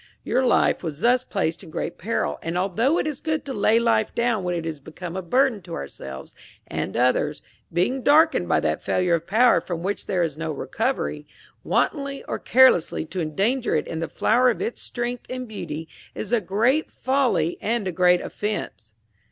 Your life was thus placed in great peril; and although it is good to lay life down when it has become a burden to ourselves and others, being darkened by that failure of power from which there is no recovery, wantonly or carelessly to endanger it in the flower of its strength and beauty is a great folly and a great offense.